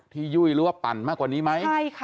ที่ยุ่ยรั่วปั่นมากกว่านี้ไหม